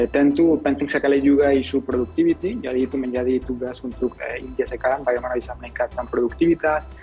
tentu penting sekali juga isu produktivity jadi itu menjadi tugas untuk india sekarang bagaimana bisa meningkatkan produktivitas